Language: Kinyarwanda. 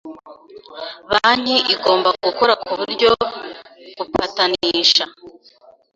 Banki igomba gukora ku buryo gupatanisha